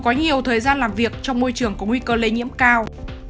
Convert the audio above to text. có nhiều thời gian làm việc trong môi trường có nguy cơ lây nhiễm cao